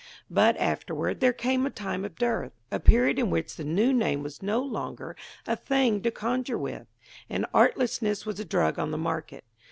But afterward there came a time of dearth; a period in which the new name was no longer a thing to conjure with, and artlessness was a drug on the market.